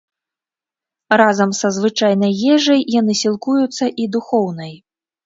Разам са звычайнай ежай яны сілкуюцца і духоўнай.